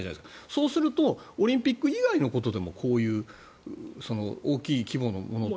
そうするとオリンピック以外のことでもこういう大きい規模のものが。